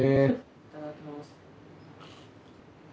いただきます。